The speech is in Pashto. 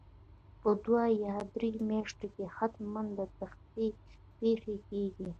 په دوو یا درو میاشتو کې حتمن د تېښتې پېښې کیږي